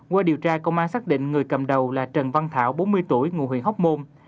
qua điều tra công an xác định người cầm đầu là trần văn thảo bốn mươi tuổi ngụ huyện hóc môn